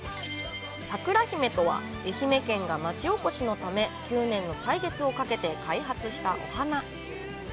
さくらひめとは、愛媛県が町おこしのため９年の歳月をかけて開発したお花。